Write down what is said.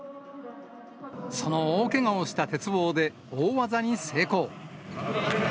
その大けがをした鉄棒で大技に成功。